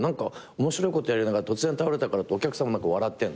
面白いことやりながら突然倒れたからってお客さんも何か笑ってんの。